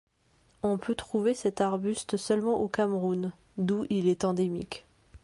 On peut trouver cet arbuste seulement au Cameroun d'où il est endémique.